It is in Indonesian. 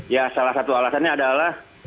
ya salah satu alasannya adalah